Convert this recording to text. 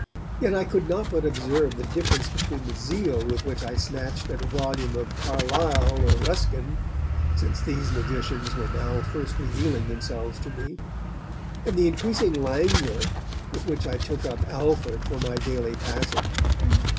Yet I could not but observe the difference between the zeal with which I snatched at a volume of Carlyle or Ruskin since these magicians were now first revealing themselves to me and the increasing languor with which I took up Alford for my daily 'passage'.